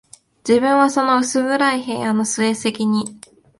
自分はその薄暗い部屋の末席に、